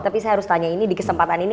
tapi saya harus tanya ini di kesempatan ini